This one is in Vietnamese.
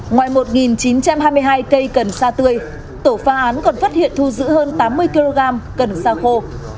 ngoài một chín trăm hai mươi hai cây cần sa tươi tổ pha án còn phát hiện thu giữ hơn tám mươi kg cần xa khô